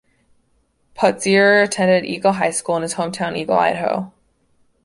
Putzier attended Eagle High School in his hometown Eagle, Idaho.